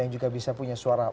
yang juga bisa punya suara